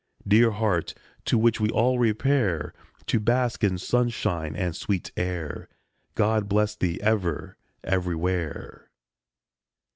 Dear heart, to which we all repair To bask in sunshine and sweet air, God bless thee ever, everywhere.